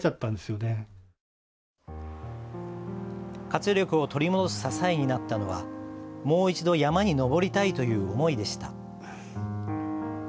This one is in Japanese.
活力を取り戻す支えになったのはもう一度山に登りたいという思いでした。